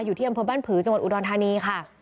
อยู่ที่อำเภอบ้านผือจังหวัดอุดรธานีค่ะ